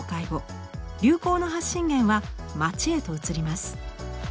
流行の発信源は街へと移ります。